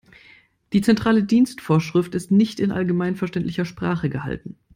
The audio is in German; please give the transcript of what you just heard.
Die Zentrale Dienstvorschrift ist nicht in allgemeinverständlicher Sprache gehalten.